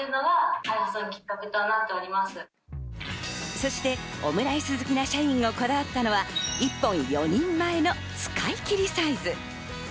そしてオムライス好きな社員がこだわったのが、１本４人前の使い切りサイズ。